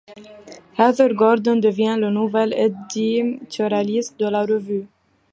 Heather Gordon devient le nouvel éditorialiste de la revue.